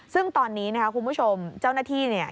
ซึ่งตอนนี้นะครับคุณผู้ชมเจ้าหน้าที่เนี่ย